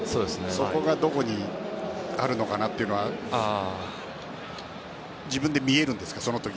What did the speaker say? そこがどこにあるのかなというのは自分で見えるんですか？